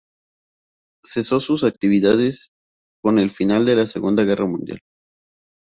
Cesó sus actividades con el final de la Segunda Guerra Mundial.